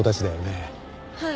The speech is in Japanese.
はい。